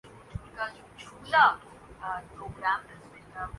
لالہ ہم لوگ پٹھانوں کو کہتے ہیں ۔